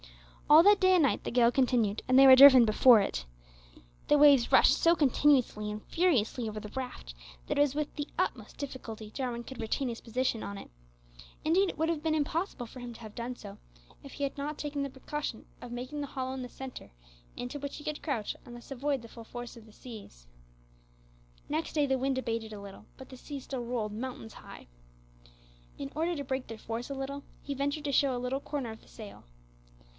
All that day and night the gale continued, and they were driven before it. The waves rushed so continuously and furiously over the raft, that it was with the utmost difficulty Jarwin could retain his position on it. Indeed it would have been impossible for him to have done so, if he had not taken the precaution of making the hollow in the centre, into which he could crouch, and thus avoid the full force of the seas. Next day the wind abated a little, but the sea still rolled "mountains high." In order to break their force a little, he ventured to show a little corner of the sail.